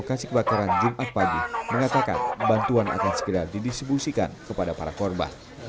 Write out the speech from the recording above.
lokasi kebakaran jumat pagi mengatakan bantuan akan segera didistribusikan kepada para korban